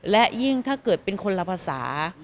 และยิ่งถ้าเกิดเป็นคนละภาษา